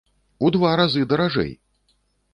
У два разы даражэй!